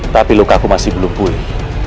tapi lukaku masih belum pulih